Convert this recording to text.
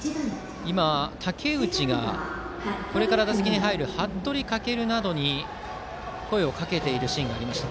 今、武内がこれから打席に入る服部翔などに声をかけているシーンがありました。